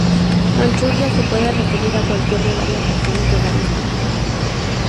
Manchuria se puede referir a cualquiera de varias regiones de varios tamaños.